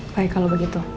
baik kalau begitu